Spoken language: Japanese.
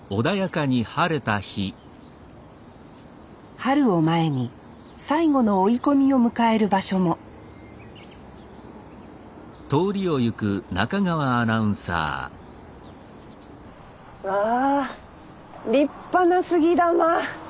春を前に最後の追い込みを迎える場所もわあ立派な杉玉。